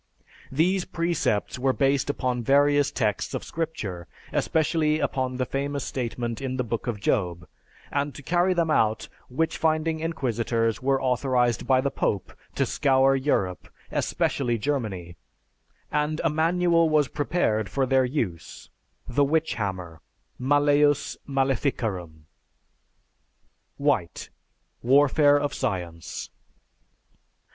These precepts were based upon various texts of scripture, especially upon the famous statement in the Book of Job; and to carry them out, witch finding inquisitors were authorized by the Pope to scour Europe, especially Germany, and a manual was prepared for their use, the Witch Hammer, Malleus Maleficarum." (_White: "Warfare of Science."